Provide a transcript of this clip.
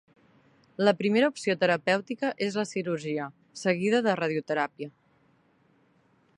La primera opció terapèutica és la cirurgia seguida de radioteràpia.